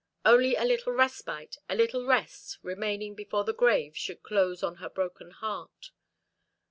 Only a little respite, a little rest remaining before the grave should close on her broken heart.